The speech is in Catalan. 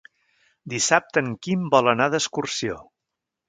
Dissabte en Quim vol anar d'excursió.